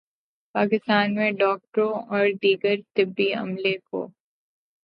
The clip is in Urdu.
پاکستان میں ڈاکٹروں اور دیگر طبی عملے کو